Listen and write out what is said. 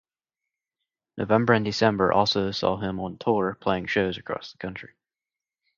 November and December also saw him on tour, playing shows across the country.